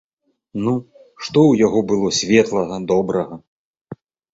Ну, што ў яго было светлага, добрага?